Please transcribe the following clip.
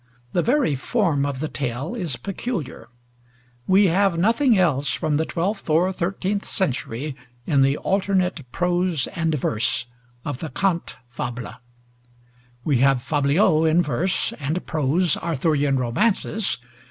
The very form of the tale is peculiar; we have nothing else from the twelfth or thirteenth century in the alternate prose and verse of the cante fable. We have fabliaux in verse, and prose Arthurian romances.